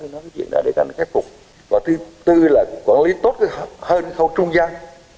nói chuyện này để ta khép phục và thứ tư là quản lý tốt hơn khâu trung gian